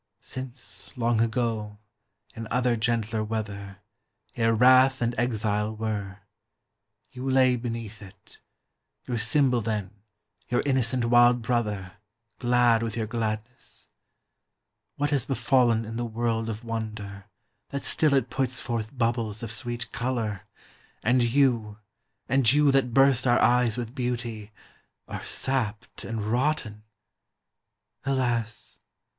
Since, long ago, in other gentler weather Ere wrath and exile were, you lay beneath it, (Your symbol then, your innocent wild brother, Glad with your gladness,) What has befallen in the world of wonder, That still it puts forth bubbles of sweet color, And you, and you that burst our eyes with beauty, Are sapped and rotten? Alas!